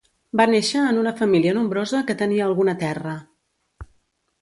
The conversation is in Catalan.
Va néixer en una família nombrosa que tenia alguna terra.